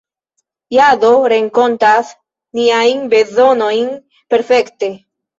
Jado renkontas niajn bezonojn perfekte.